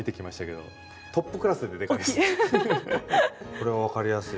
これは分かりやすい。